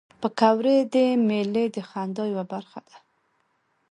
پکورې د میلې د خندا یوه برخه ده